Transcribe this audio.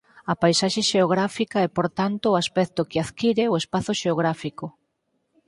A paisaxe xeográfica é por tanto o aspecto que adquire o espazo xeográfico.